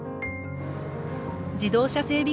自動車整備